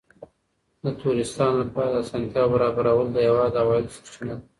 د توریستانو لپاره د اسانتیاوو برابرول د هېواد د عوایدو سرچینه ده.